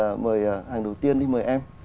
xin được mời hàng đầu tiên đi mời em